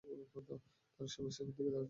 তারা সবাই স্যামের দিকে তাকাচ্ছে।